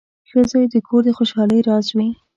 • ښه زوی د کور د خوشحالۍ راز وي.